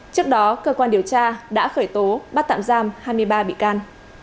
trước đó cơ quan điều tra đã khởi tố bắt tạm giam hai mươi ba bị can